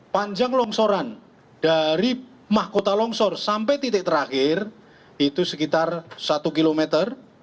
panjang longsoran dari mahkota longsor sampai titik terakhir itu sekitar satu kilometer